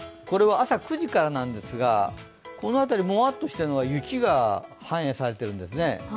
これは朝９時からなんですが、この辺り、もわっとしているのは雪が反映されているんですね。